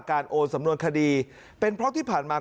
โอนสำนวนคดีเป็นเพราะที่ผ่านมา